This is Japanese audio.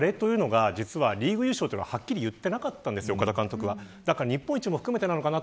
アレというのはリーグ優勝というのははっきり言っていなかったんですよ岡田監督は。